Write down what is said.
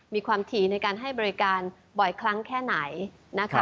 มีความถี่ในการให้บริการบ่อยครั้งแค่ไหนนะคะ